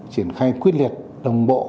triển khai quyết liệt đồng bộ